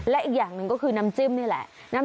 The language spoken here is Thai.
และอีกอย่างหนึ่งก็คือน้ำจิ้มนี่แหละ